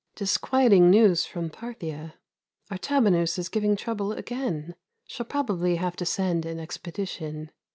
Disquieting news from Parthia. Artabanus is giving trouble again. Shall probably have to send an expedition.